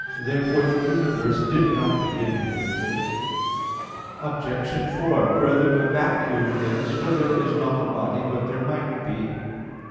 Therefore the universe did not begin to exist. Obj. 4: Further, a vacuum is where there is not a body, but there might be.